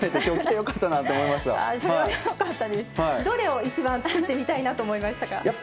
どれを一番作ってみたいなと思いましたか？